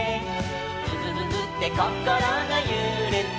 「くふふふってこころがゆれて」